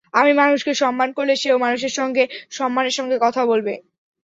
আপনি মানুষকে সম্মান করলে সেও মানুষের সঙ্গে সম্মানের সঙ্গে কথা বলবে।